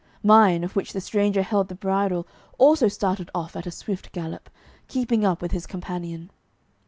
Mine, of which the stranger held the bridle, also started off at a swift gallop, keeping up with his companion.